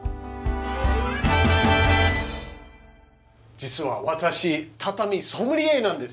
実は私畳ソムリエなんです。